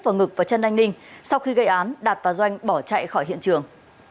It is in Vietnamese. vào ngực và chân anh ninh sau khi gây án đạt và doanh bỏ chạy khỏi hiện trường